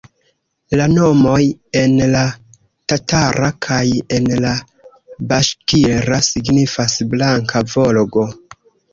La nomoj en la tatara kaj en la baŝkira signifas "blanka Volgo".